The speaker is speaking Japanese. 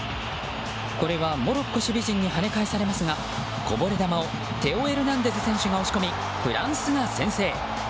これはモロッコ守備陣に跳ね返されますがこぼれ球をテオ・エルナンデズ選手が押し込みフランスが先制。